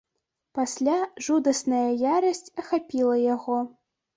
Пасля жудасная ярасць ахапіла яго.